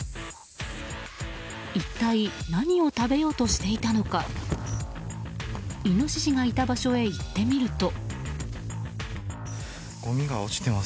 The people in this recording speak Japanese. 一体、何を食べようとしていたのかイノシシがいた場所へ行ってみると。